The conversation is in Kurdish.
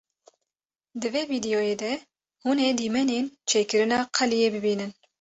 Di vê vîdyoyê de hûn ê dîmenên çêkirina qeliyê bibînin.